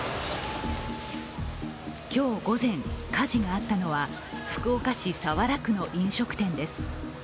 今日午前、火事があったのは福岡市早良区の飲食店です。